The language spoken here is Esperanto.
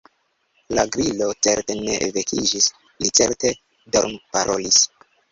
La Gliro certe ne vekiĝis, li certe dormparolis.